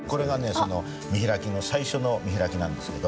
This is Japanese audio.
その見開きの最初の見開きなんですけど。